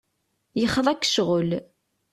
Yexḍa-k ccɣel.